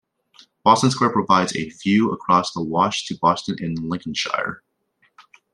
Boston Square provides a view across the Wash to Boston in Lincolnshire.